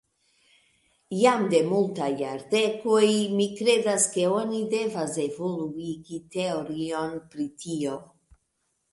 Jam de multaj jardekoj mi kredas ke oni devas evoluigi teorion pri tio.